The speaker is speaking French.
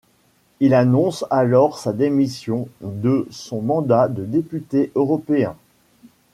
Il annonce alors sa démission de son mandat de député européen.